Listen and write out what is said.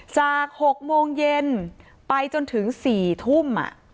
จาก๖โมงเย็นไปจนถึง๔ทุ่ม